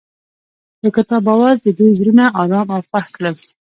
د کتاب اواز د دوی زړونه ارامه او خوښ کړل.